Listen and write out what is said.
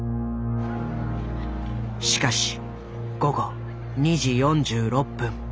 しかし午後２時４６分。